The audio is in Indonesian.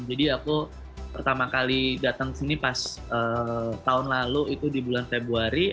jadi aku pertama kali datang sini pas tahun lalu itu di bulan februari